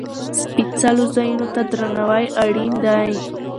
سپېڅلو ځایونو ته درناوی اړین دی.